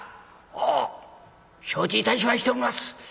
承知いたしましております。